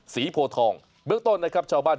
โพทองเบื้องต้นนะครับชาวบ้าน